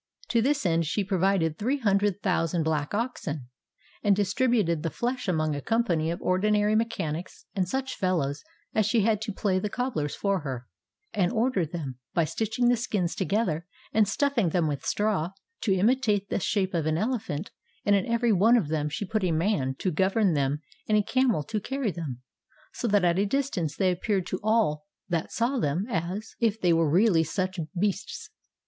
To this end she provided three hundred thousand black oxen, and distributed the flesh among a company of ordinary mechanics and such fellows as she had to play the cobblers for her, and ordered them, by stitching the 496 SEMIRAMIS'S MAKE BELIEVE ELEPHANTS skins together and stuffing them with straw, to imitate the shape of an elephant, and in every one of them she put a man to govern them and a camel to carry them, so that at a distance they appeared to all that saw them as if they were really such beasts.